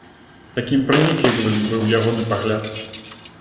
Такім праніклівым быў ягоны пагляд.